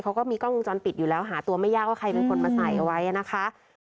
เขาก็มีกล้องวงจรปิดอยู่แล้วหาตัวไม่ยากว่าใครเป็นคนมาใส่เอาไว้นะคะ